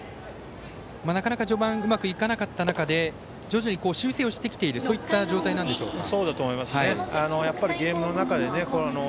なかなか序盤うまくいかなかった場面で徐々に修正はしてきているという状態なんでしょうか。